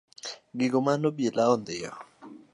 Gigo mane obila ondhiyo.